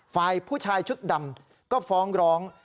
ฝ่ายผู้ชายชุดดำก็ฟ้องร้อง